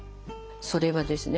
それはですね